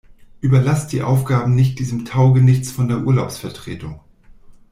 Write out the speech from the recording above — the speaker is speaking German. Überlasst die Aufgaben nicht diesem Taugenichts von der Urlaubsvertretung.